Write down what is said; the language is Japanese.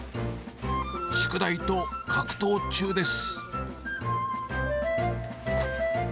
宿題と格闘中です。